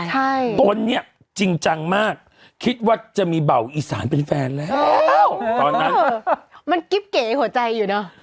ใช่ตนเนี่ยจริงจังมากคิดว่าจะมีเบาอีสานเป็นแฟนแล้วตอนนั้นมันกิ๊บเก๋หัวใจอยู่เนอะ